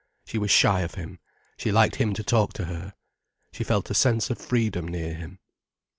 She was shy of him, she liked him to talk to her. She felt a sense of freedom near him.